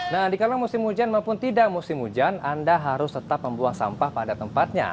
nah dikala musim hujan maupun tidak musim hujan anda harus tetap membuang sampah pada tempatnya